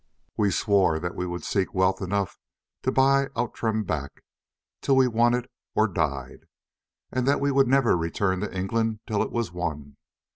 "We swore that we would seek wealth enough to buy Outram back till we won it or died, and that we would never return to England till it was won.